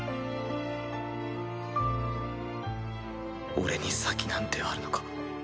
俺に先なんてあるのか？